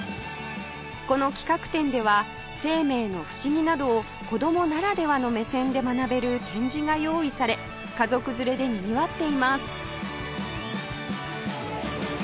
この企画展では生命の不思議などを子供ならではの目線で学べる展示が用意され家族連れでにぎわっています